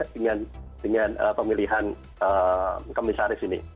dengan pemilihan komisaris ini